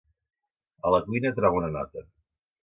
A la cuina troba una nota.